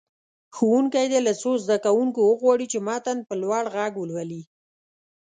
ښوونکی دې له څو زده کوونکو وغواړي چې متن په لوړ غږ ولولي.